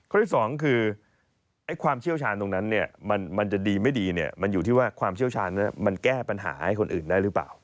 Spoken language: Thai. ที่สองคือความเชี่ยวชาญตรงนั้นเนี่ยมันจะดีไม่ดีเนี่ยมันอยู่ที่ว่าความเชี่ยวชาญมันแก้ปัญหาให้คนอื่นได้หรือเปล่า